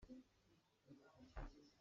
Bia lawng nih kan hna a kan ngamh kho lo.